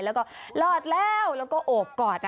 แล้วก็รอดแล้วแล้วก็โอบกอด